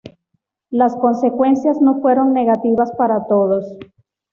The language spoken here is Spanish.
Las consecuencias no fueron negativas para todos.